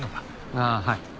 ああはい。